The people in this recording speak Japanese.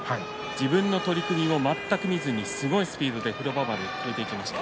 自分の取組を全く見ずにすごいスピードで風呂場に行きました。